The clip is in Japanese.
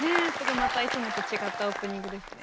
またいつもと違ったオープニングですね。